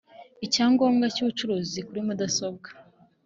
Icyangombwa cy ubucuruzi kuri mudasobwa